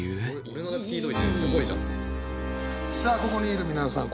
さあここにいる皆さん